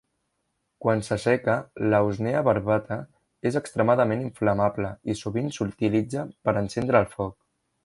Quan s'asseca, la "usnea barbata" és extremadament inflamable i sovint s'utilitza per encendre el foc.